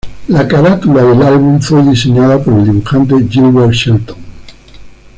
La carátula del álbum fue diseñada por el dibujante Gilbert Shelton.